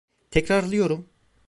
Tekrarlıyorum.